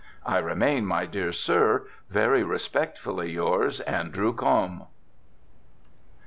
I remain, My Dear Sir, ' Very respectfully yours, 'Andw. Combe.'